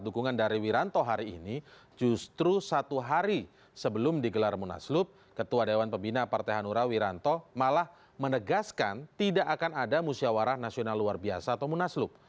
ketua dewan pembina partai hanura wiranto malah menegaskan tidak akan ada musyawarah nasional luar biasa atau munaslup